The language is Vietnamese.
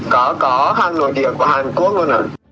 có có hàng nội địa của hàn quốc luôn